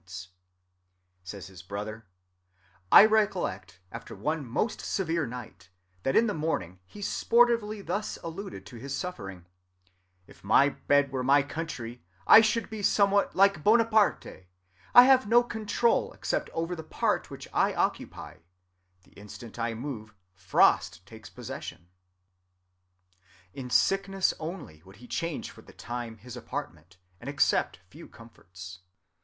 'I recollect,' says his brother, 'after one most severe night, that in the morning he sportively thus alluded to his suffering: "If my bed were my country, I should be somewhat like Bonaparte: I have no control except over the part which I occupy; the instant I move, frost takes possession." ' In sickness only would he change for the time his apartment and accept a few comforts.